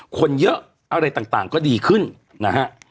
คนเยอะอะไรต่างก็ดีขึ้นนะฮะ